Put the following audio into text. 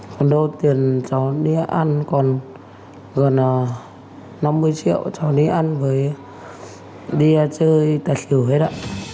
gần năm mươi triệu cho đi ăn đi chơi tạp thiểu hết ạ